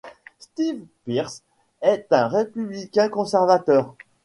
Steve Pearce est un républicain conservateur.